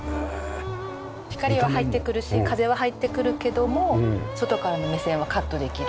光は入ってくるし風は入ってくるけども外からの目線はカットできる。